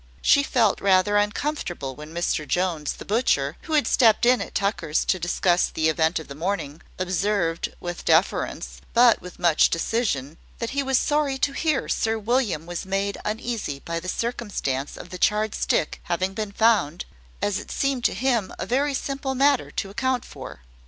She felt rather uncomfortable when Mr Jones, the butcher, who had stepped in at Tucker's to discuss the event of the morning, observed, with deference, but with much decision, that he was sorry to hear Sir William was made uneasy by the circumstance of the charred stick having been found, as it seemed to him a very simple matter to account for.